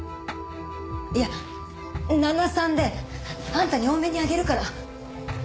いや７：３であんたに多めにあげるから。